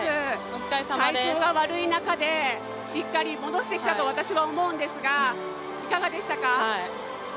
体調が悪い中でしっかり戻してきたと私は思うんですが、いかがでしたか？